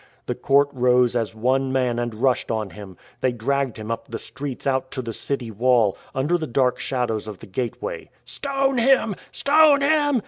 The court rose as one man and rushed on him. They dragged him up the streets out to the city wall, under the dark shadows of the gateway. " Stone him, stone him